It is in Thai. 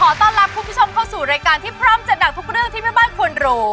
ต้อนรับคุณผู้ชมเข้าสู่รายการที่พร้อมจัดหนักทุกเรื่องที่แม่บ้านควรรู้